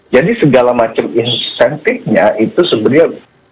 jadi segala macam insentifnya itu sebenarnya